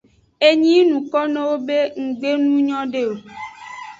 Enyi yi nukonowo be nggbe nu nyode o.